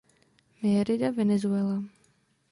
Mérida Venezuela.